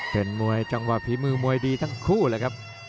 เป็นมวยจังหวะฝีมือมวยดีทั้งคู่เลยครับ